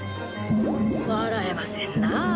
笑えませんなあ。